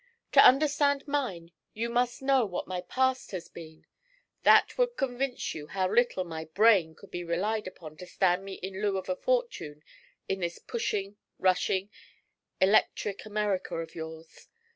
To understand mine you must know what my past has been. That would convince you how little my brain could be relied upon to stand me in lieu of a fortune in this pushing, rushing, electric America of yours.